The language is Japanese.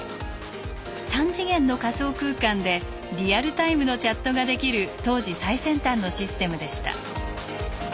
３次元の仮想空間でリアルタイムのチャットができる当時最先端のシステムでした。